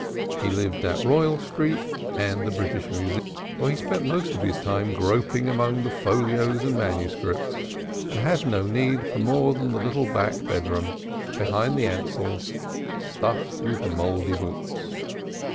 He lived at Royal Street and the British Museum, for he spent most of his time groping among the folios and manuscripts, and had no need for more than the little back bedroom, behind the Ansells, stuffed with mouldy books.